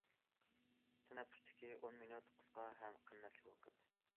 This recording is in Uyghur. تەنەپپۇستىكى ئون مىنۇت قىسقا ھەم قىممەتلىك ۋاقىت.